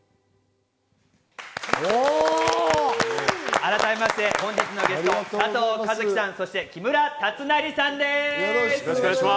改めまして本日のゲスト、加藤和樹さん、そして木村達成さんです！